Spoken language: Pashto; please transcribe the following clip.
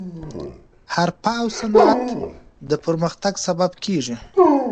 حرفه او صنعت د پرمختګ سبب کیږي.